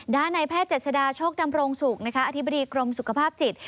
ด้านนายแพทย์เจ็ดสดาโชคดำรงสุขอธิบดีกรมสุขภาพจิต